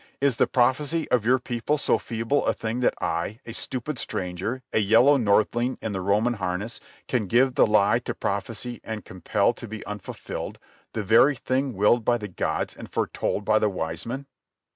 Is the prophecy of your people so feeble a thing that I, a stupid stranger, a yellow northling in the Roman harness, can give the lie to prophecy and compel to be unfulfilled—the very thing willed by the gods and foretold by the wise men?"